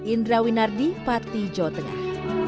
indra winardi pati jawa tengah